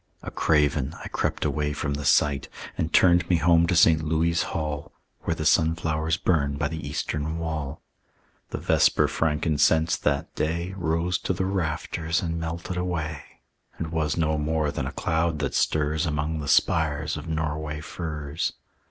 A craven I crept away from the sight; And turned me home to St. Louis' Hall, Where the sunflowers burn by the eastern wall. The vesper frankincense that day Rose to the rafters and melted away, And was no more than a cloud that stirs Among the spires of Norway firs.